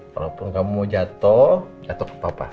walaupun kamu jatuh jatuh ke papa